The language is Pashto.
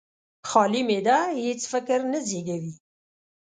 خالي معده هېڅ فکر نه زېږوي.